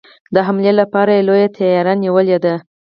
د حملې لپاره یې لويه تیاري نیولې ده.